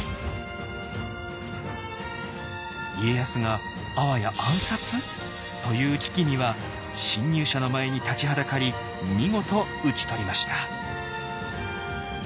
家康があわや暗殺！？という危機には侵入者の前に立ちはだかり見事討ち取りました。